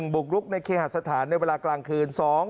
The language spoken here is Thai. บุกรุกในเคหสถานในเวลากลางคืน